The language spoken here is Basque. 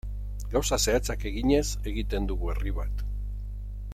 Gauza zehatzak eginez egiten dugu herri bat.